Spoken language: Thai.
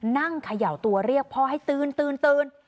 เขย่าตัวเรียกพ่อให้ตื่น